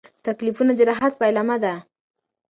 تکلیفونه د راحت پیلامه ده.